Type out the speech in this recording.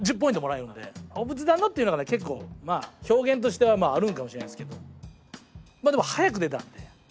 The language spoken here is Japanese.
お仏壇のっていうのが結構表現としてはまああるんかもしれないですけどまあでも早く出たんで。